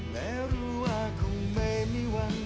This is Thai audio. และรู้ว่าคงไม่มีวัน